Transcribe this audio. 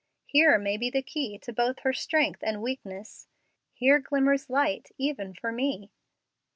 Here may be the key to both her strength and weakness. Here glimmers light even for me."